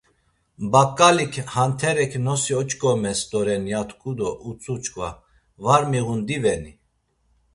Baǩǩalik, Hanterek nosi oç̌ǩomes doren ya tku do utzu çkva, Var miğun diveni?